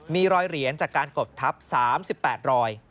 มีรอยเหรียญจากการกดทับ๓๘รอย